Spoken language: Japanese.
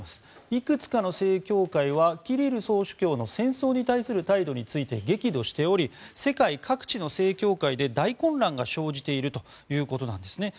いくつかの正教会はキリル総主教の戦争に対する態度について激怒しており世界各地の正教会で大混乱が生じているということなんですね。